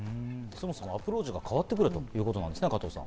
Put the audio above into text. アプローチが変わってくるということですね、加藤さん。